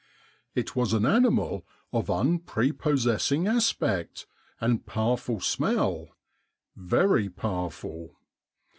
It was an animal of unprepossessing aspect and powerful smell — very powerful.